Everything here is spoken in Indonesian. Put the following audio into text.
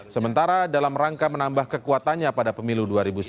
sementara dalam rangka menambah kekuatannya pada pemilu dua ribu sembilan belas